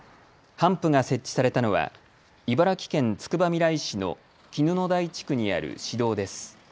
ハンプが設置されたのは茨城県つくばみらい市の絹の台地区にある市道です。